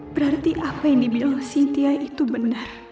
berarti apa yang dibilang cythia itu benar